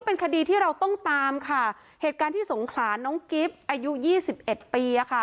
ก็เป็นคดีที่เราต้องตามค่ะเหตุการณ์ที่สงขลานน้องกิ๊บอายุ๒๑ปี